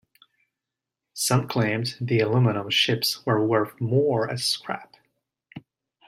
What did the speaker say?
Some claimed the aluminum ships were worth more as scrap.